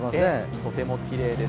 とてもきれいです。